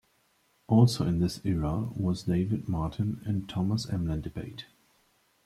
Also in this era was the David Martin and Thomas Emlyn debate.